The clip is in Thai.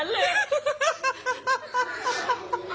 ผมเอา๒๐กว่า